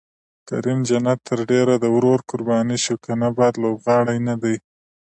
کریم جنت تر ډېره د ورور قرباني شو، که نه بد لوبغاړی نه دی.